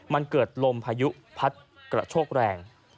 มันเกิดลมพายุพัดกระโชกแรง